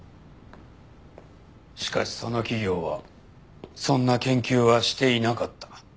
しかしその企業はそんな研究はしていなかった。